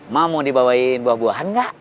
mak mau dibawain buah buahan gak